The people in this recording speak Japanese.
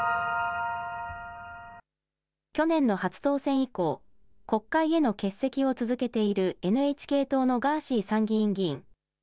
去年の初当選以降、国会への欠席を続けているＮＨＫ党のガーシー参議院議員。